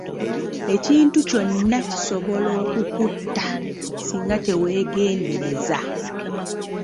Ekintu kyonna kisobola okukutta singa teweegendereza.